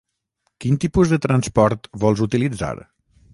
Quin tipus de transport vols utilitzar?